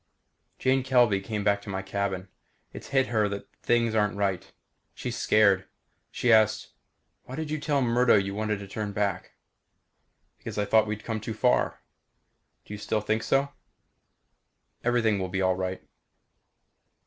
Jane Kelvey came to my cabin. It's hit her that things aren't right. She's scared. She asked, "Why did you tell Murdo you wanted to turn back?" "Because I thought we'd come too far." "Do you still think so?" "Everything will be all right."